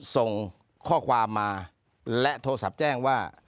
ส่งข้อความมาและโทรศัพท์แจ้งว่า